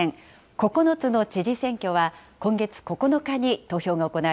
９つの知事選挙は、今月９日に投